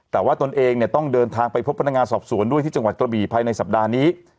แต่ว่าตนเองเนี่ยต้องเดินทางไปพบพนักงานสอบสวนด้วยที่จังหวัดกระบี่ภายในสัปดาห์นี้